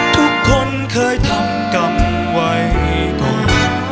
ทุกคนเคยทำกรรมไว้ก่อน